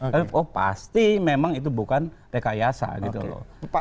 tapi oh pasti memang itu bukan rekayasa gitu loh